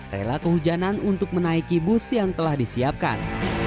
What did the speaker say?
rela kehujanan untuk menaiki bus yang telah disiapkan